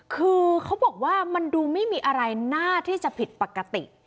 คือเขาบอกว่ามันดูไม่มีอะไรน่าที่จะผิดปกติ